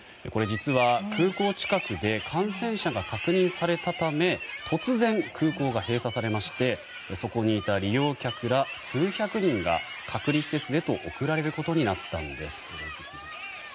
実は、空港近くで感染者が確認されたため突然、空港が封鎖されましてそこにいた利用客ら数百人が隔離施設へと送られることになったんです。